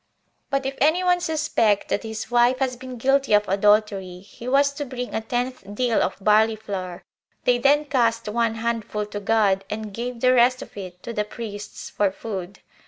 6. But if any one suspect that his wife has been guilty of adultery, he was to bring a tenth deal of barley flour; they then cast one handful to God and gave the rest of it to the priests for food.